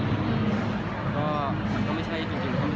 เพราะว่ามันก็ไม่ใช่จริงแล้ว